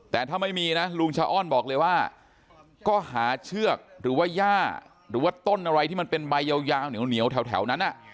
แต่ถ้าไม่มีนะลุงชะอ้อนบอกเลยว่าก็หาเชือกหรือว่าย่าหรือว่าต้นอะไรที่มันเป็นใบยาวเหนียวแถวนั้น